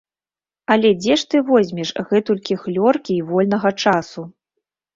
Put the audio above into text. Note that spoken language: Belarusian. Але дзе ж ты возьмеш гэтулькі хлёркі й вольнага часу.